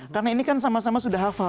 karena ini kan sama sama sudah hafal